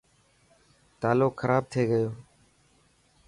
تالو خراب ٿي گيو.